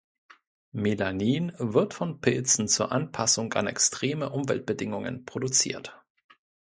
Melanin wird von Pilzen zur Anpassung an extreme Umweltbedingungen produziert.